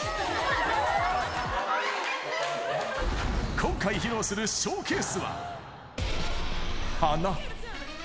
今回披露するショーケースは、花。